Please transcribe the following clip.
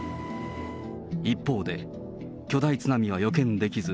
一方で、巨大津波は予見できず、